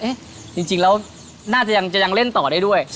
จริงแล้วน่าจะยังเล่นต่อได้ด้วย